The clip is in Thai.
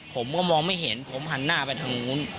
ผมก็มองไม่เห็นผมหันหน้าไปทางนู้น